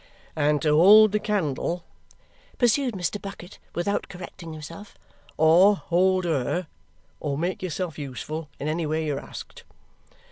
"And to hold the candle," pursued Mr. Bucket without correcting himself, "or hold her, or make yourself useful in any way you're asked.